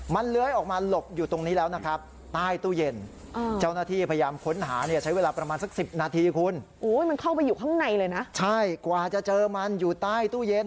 มันเข้าไปอยู่ข้างในเลยนะใช่กว่าจะเจอมันอยู่ใต้ตู้เย็น